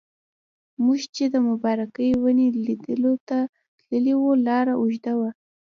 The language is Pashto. موږ چې د مبارکې ونې لیدلو ته تللي وو لاره اوږده وه.